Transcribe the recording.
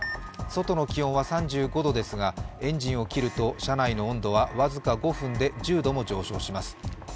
外の気温は３５度ですがエンジンを切ると、車内の温度は僅か５分で１０度も上昇します。